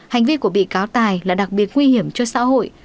hành vi của bị cáo tài là đặc biệt nguy hiểm cho xã hội